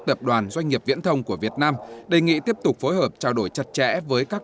tập đoàn doanh nghiệp viễn thông của việt nam đề nghị tiếp tục phối hợp trao đổi chặt chẽ với các